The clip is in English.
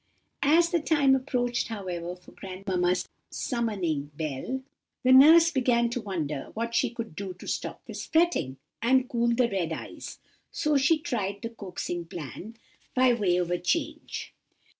"As the time approached, however, for grandmamma's summoning bell, the nurse began to wonder what she could do to stop this fretting, and cool the red eyes; so she tried the coaxing plan, by way of a change.